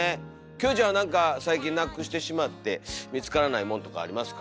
キョエちゃんはなんか最近なくしてしまって見つからないものとかありますか？